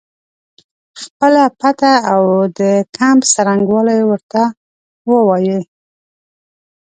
خپله پته او د کمپ څرنګوالی ورته ووایي.